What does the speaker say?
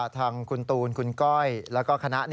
ทางคุณตูนคุณก้อยแล้วก็คณะ